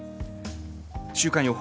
週間予報。